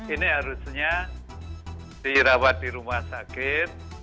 ini harusnya dirawat di rumah sakit